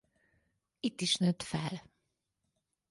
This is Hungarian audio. Itt is nőtt fel.